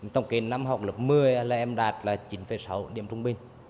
tổng kết năm học lớp một mươi là em đạt chín sáu điểm trung bình